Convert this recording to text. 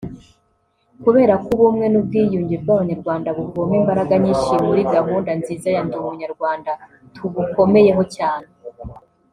kubera ko ubumwe n’ubwiyunge bw’abanyarwanda buvoma imbaraga nyinshi muri gahunda nziza ya ‘Ndi Umunyarwanda’ tubukomeyeho cyane”